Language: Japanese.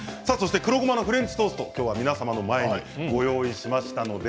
黒ごまのフレンチトーストを皆さんの前にご用意させていただきました。